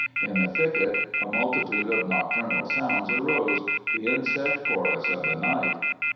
In the thicket a multitude of nocturnal sounds arose, the insect chorus of the night.